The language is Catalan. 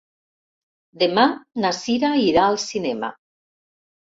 Demà na Cira irà al cinema.